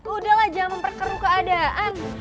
udah lah jangan memperkeru keadaan